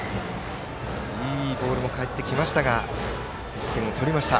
いいボールも返ってきましたが１点を取りました。